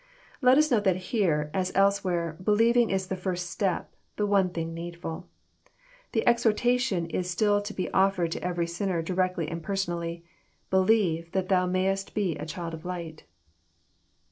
Let us note that here, as elsewhere, believing is the first step, the one thing needfhl. The exhortation is still to be offered to every sinner directly and personally, — "Believe, that thou mayest be a child of light."